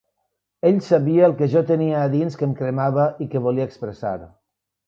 Ell sabia el que jo tenia a dins que em cremava i que volia expressar.